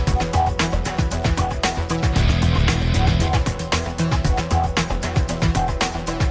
นี่คือสภาพหน้าบ้านหักโภคที่ต้องคอดออกมา